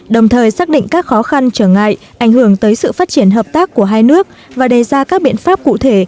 đồng thời xác định các khó khăn trở ngại ảnh hưởng tới sự phát triển hợp tác của hai nước và đề ra các biện pháp cụ thể